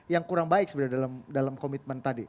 yang kurang baik sebenarnya dalam komitmen tadi